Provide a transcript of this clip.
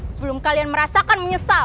sebelum kalian merasakan menyesal